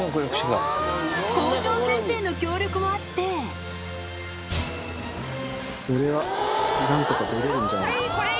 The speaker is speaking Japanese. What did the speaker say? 校長先生の協力もあってこれは何とか出れるんじゃないか。